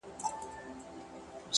زلفي يې زما پر سر سايه جوړوي ـ